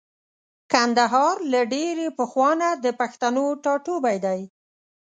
کندهار له ډېرې پخوانه د پښتنو ټاټوبی دی.